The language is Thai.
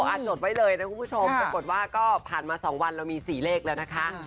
จดไว้เลยนะคุณผู้ชมปรากฏว่าก็ผ่านมา๒วันเรามี๔เลขแล้วนะคะ